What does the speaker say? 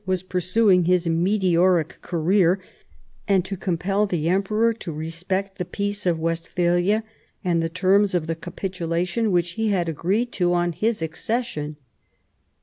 was pursuing his meteoric career, and to compel the Emperor to respect the Peace of Westphalia and the terms of the capitulation which he had agreed to on his accession.